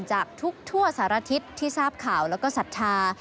จากทุกทั่วสารทิศที่ทราบข่าวแล้วก็ศรัทธา